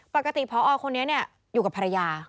ปกติพอคนนี้อยู่กับภรรยา